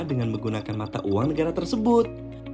dengan menggunakan mata uang negara tersebut